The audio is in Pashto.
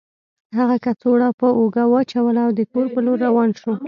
هغه کڅوړه په اوږه واچوله او د کور په لور روان شو